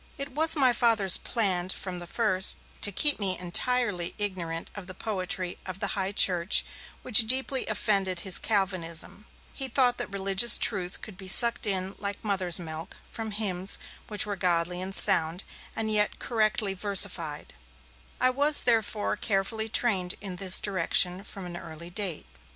It was my Father's plan from the first to keep me entirely ignorant of the poetry of the High Church, which deeply offended his Calvinism; he thought that religious truth could be sucked in, like mother's milk, from hymns which were godly and sound, and yet correctly versified; and I was therefore carefully trained in this direction from an early date.